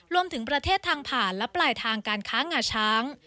รวมถึงประเทศทางผ่านและปลายทางการค้างาช้าง